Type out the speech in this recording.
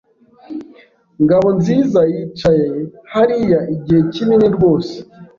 Ngabonziza yicaye hariya igihe kinini rwose.